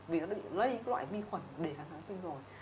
vì nó đã bị lây loại vi khuẩn để kháng sinh rồi